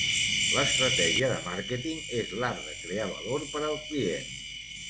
L'estratègia de màrqueting és l'art de crear valor per al client.